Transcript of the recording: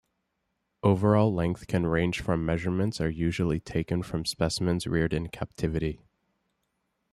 Overall length can range from Measurements are usually taken from specimens reared in captivity.